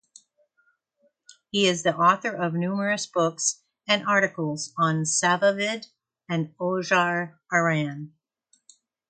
He is the author of numerous books and articles on Safavid and Qajar Iran.